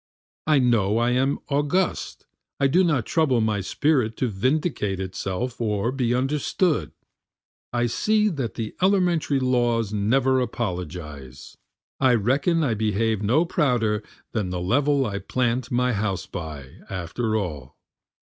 I know I am august, I do not trouble my spirit to vindicate itself or be understood, I see that the elementary laws never apologize, (I reckon I behave no prouder than the level I plant my house by, after all.)